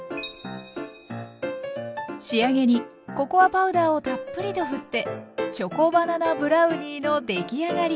仕上げにココアパウダーをたっぷりと振ってチョコバナナブラウニーのできあがり！